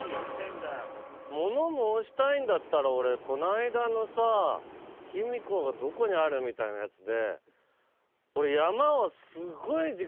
物申したいんだったら俺この間のさ卑弥呼がどこにあるみたいなやつで。